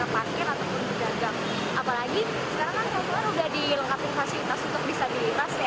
apalagi sekarang kan perjalan kaki sudah dilengkapi fasilitas untuk disabilitas